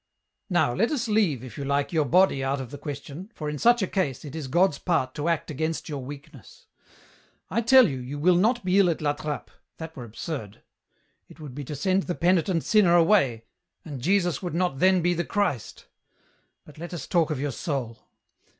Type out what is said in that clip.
" Now let us leave, if you like, your body out of the question, for in such a case, it is God's part to act against your weakness. I tell you, you will not be ill at La Trappe, that were absurd ; it would be to send the penitent sinner away, and Jesus would not then be the Christ ; but let us talk of your soul.